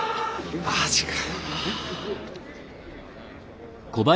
マジか。